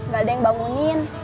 gak ada yang bangunin